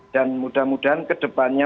dan mudah mudahan ke depannya